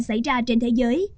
xảy ra trên thế giới